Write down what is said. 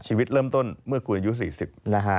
ชีวิตเริ่มต้นเมื่อคุณอายุ๔๐นะฮะ